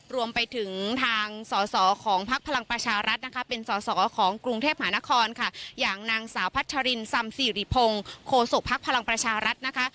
รวมไปถึงทางสอสอของพักพลังประชารัฐนะคะเป็นสอสอของกรุงเทพมหานครค่ะอย่างนางสาวพัชรินซำสิริพงศ์โคศกภักดิ์พลังประชารัฐนะคะ